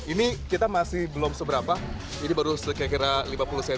ini kita masih belum seberapa ini baru sekira kira lima puluh cm ya pak ya